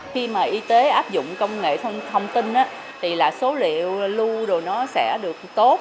khi mà y tế áp dụng công nghệ thông tin thì là số liệu lưu đồ nó sẽ được tốt